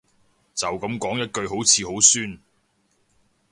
就噉講一句好似好酸